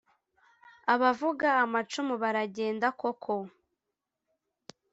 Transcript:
abavuga amacumu baragenda koko